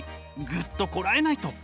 グッとこらえないと。